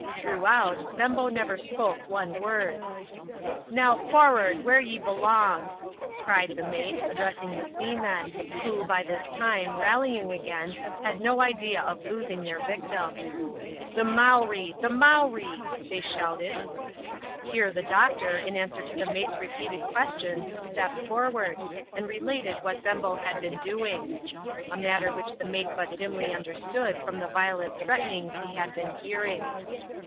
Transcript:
Throughout, Bembo never spoke one word. " Now for'ard, where ye belong !" cried the mate, addressing the seamen, who, by this time, rallying again, had no idea of losing their victim. " The Mowree ! the Mowree !" they shouted. Here the doctor, in answer to the mate's repeated questions, stepped forward, and related what Bembo had been doing ; a matter which the mate but dimly understood from the violent threatenings he had been hearing.